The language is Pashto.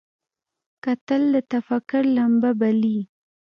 کتل د تفکر لمبه بلي